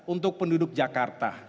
untuk penduduk jakarta